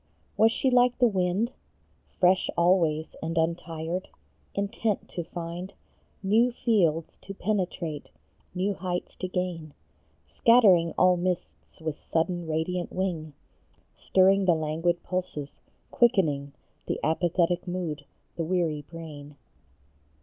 Was she like the wind, Fresh always, and untired ; intent to find New fields to penetrate, new heights to gain ; Scattering all mists with sudden, radiant wing ; Stirring the languid pulses ; quickening The apathetic mood, the weary brain?